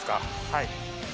はい。